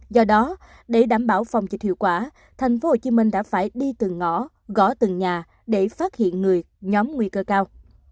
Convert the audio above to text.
do đó để đảm bảo phòng dịch hiệu quả tp hcm đã phải đi từng ngõ gõ từng nhà để phát hiện người nhóm nguy cơ cao